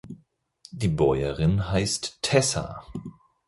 Die Bäuerin heißt Tessa.